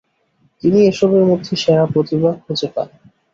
তিনি এসবের মধ্যে সেরা প্রতিভা খুঁজে পান।